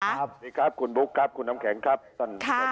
สวัสดีครับคุณบุ๊คครับคุณน้ำแข็งครับท่าน